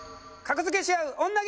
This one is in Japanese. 格付けしあう女